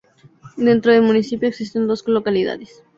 Dentro del municipio existen dos localidades.